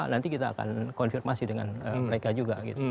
nanti kita akan konfirmasi dengan mereka juga